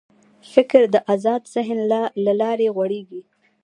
فکر د آزاد ذهن له لارې غوړېږي.